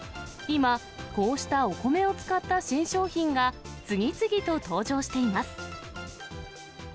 今、こうしたお米を使った新商品が、次々と登場しています。